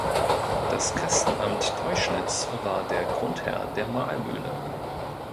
Das Kastenamt Teuschnitz war der Grundherr der Mahlmühle.